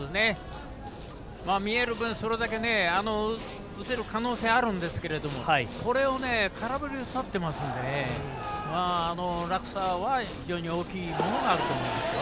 見える分それだけ打てる可能性あるんですけどこれを空振りとってますのでね落差は非常に大きいものがあると思いますよ。